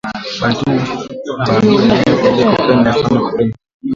Bantu ba aina yote beko na penda sana kurima